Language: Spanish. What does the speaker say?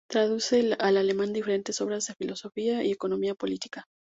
Traduce al alemán diferentes obras de filosofía y economía política.